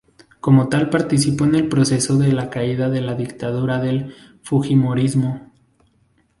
Como tal participó en el proceso de la caída de la dictadura del fujimorismo.